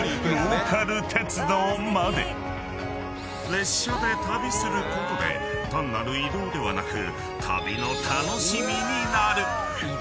［列車で旅することで単なる移動ではなく旅の楽しみになる］